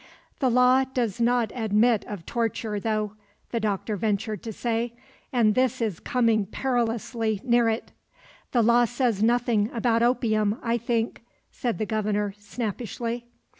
"The law does not admit of torture, though," the doctor ventured to say; "and this is coming perilously near it." "The law says nothing about opium, I think," said the Governor snappishly.